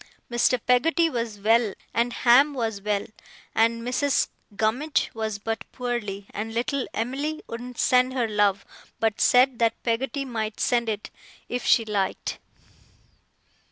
Mr. Peggotty was well, and Ham was well, and Mrs. Gummidge was but poorly, and little Em'ly wouldn't send her love, but said that Peggotty might send it, if she liked.